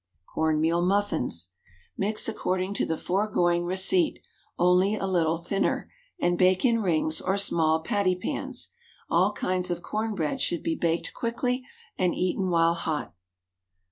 CORN MEAL MUFFINS. Mix according to the foregoing receipt, only a little thinner, and bake in rings or small pattypans. All kinds of corn bread should be baked quickly and eaten while hot.